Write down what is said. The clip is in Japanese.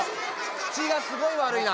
口がすごい悪いな。